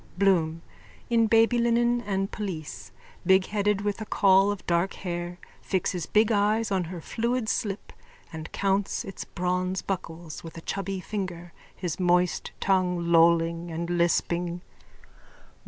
BLOOM: _(In babylinen and pelisse, bigheaded, with a caul of dark hair, fixes big eyes on her fluid slip and counts its bronze buckles with a chubby finger, his moist tongue lolling and lisping.)